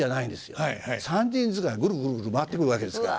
ぐるぐるぐるぐる回ってくるわけですから。